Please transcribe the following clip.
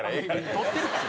撮ってるから。